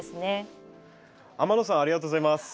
天野さんありがとうございます。